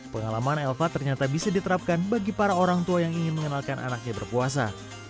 pengalaman elva ternyata bisa diterapkan bagi para orang tua yang ingin mengenalkan anaknya berpuasa